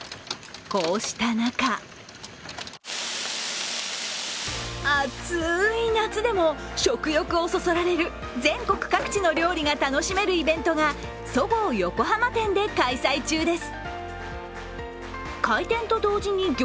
こうした中暑い夏でも食欲をそそられる全国各地の料理が楽しめるイベントがそごう横浜店で開催中です。